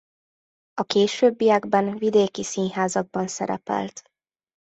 A későbbiekben vidéki színházakban szerepelt.